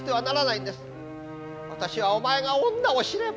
私はお前が女を知れば。